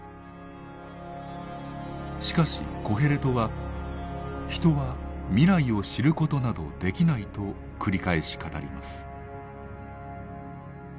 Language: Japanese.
しかしコヘレトは「人は未来を知ることなどできない」と繰り返し語ります。